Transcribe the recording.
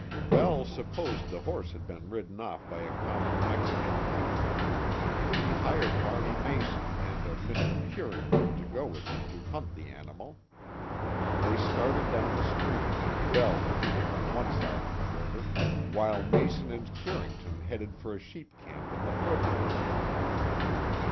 Bell supposed the horse had been ridden off by a common Mexican thief. He hired Barney Mason and a Mr. Curington to go with him to hunt the animal. They started down the stream, Bell keeping on one side of the river, while Mason and Curington headed for a sheep camp in the foot hills.